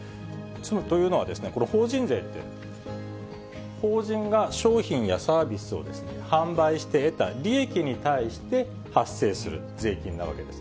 というのは、これ、法人税って、法人が商品やサービスを販売して得た利益に対して発生する税金なわけです。